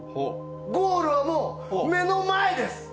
ゴールはもう目の前です！